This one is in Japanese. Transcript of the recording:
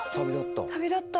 旅立った。